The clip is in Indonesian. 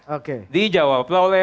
oke dijawablah oleh